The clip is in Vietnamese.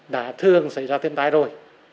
đã thường xảy ra thiên tai rồi